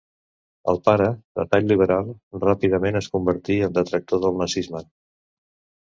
El pare, de tall liberal, ràpidament es convertí en detractor del nazisme.